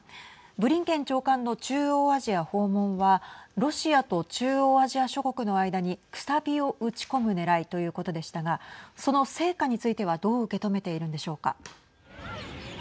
ブリンケン長官の中央アジア訪問はロシアと中央アジア諸国の間にくさびを打ち込むねらいということでしたがその成果についてはどう受け止めてはい。